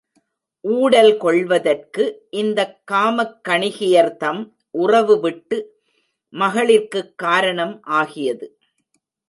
ஊடல் கொள்வதற்கு இந்தக் காமக் கணிகையர்தம் உறவு விட்டு மகளிர்க்குக் காரணம் ஆகியது.